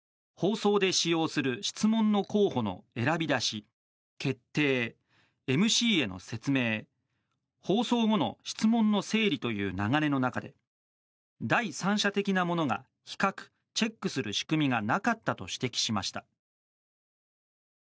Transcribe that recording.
放送で使用する質問の候補の選び出し、決定ＭＣへの説明放送後の質問の整理という流れの中で第三者的な者が比較・チェックする仕組みがなかったと指摘しました。